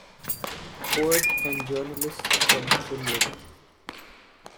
Poet and journalist from Finland.